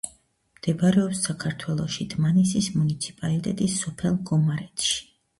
მდებარეობს საქართველოში, დმანისის მუნიციპალიტეტის სოფელ გომარეთში.